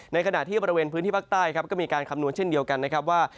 ในขณะที่บริเวณพื้นที่ภาคใต้ครับก็มีการคำนวณเช่นเดียวกันนะครับว่า